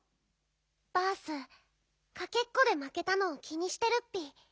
バースかけっこでまけたのを気にしてるッピ。